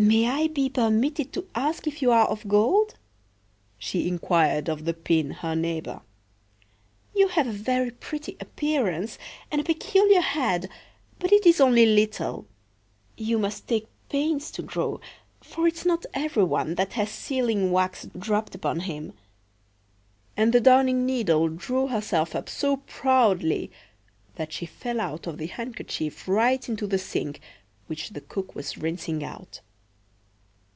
"May I be permitted to ask if you are of gold?" she inquired of the pin, her neighbor. "You have a very pretty appearance, and a peculiar head, but it is only little. You must take pains to grow, for it's not every one that has sealing wax dropped upon him."And the Darning needle drew herself up so proudly that she fell out of the handkerchief right into the sink, which the cook was rinsing out.